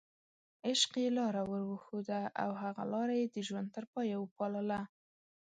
عشق یې لاره ورښوده او هغه لاره یې د ژوند تر پایه وپالله.